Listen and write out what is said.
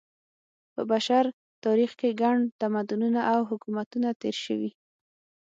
په بشر تاریخ کې ګڼ تمدنونه او حکومتونه تېر شوي.